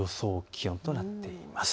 気温となっています。